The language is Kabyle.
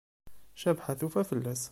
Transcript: Cabḥa tufa fell-as.